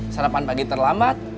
sarapan pagi terlambat